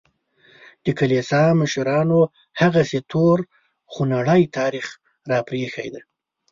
د کلیسا مشرانو هغسې تور خونړی تاریخ راپرېښی دی.